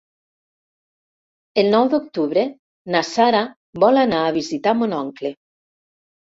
El nou d'octubre na Sara vol anar a visitar mon oncle.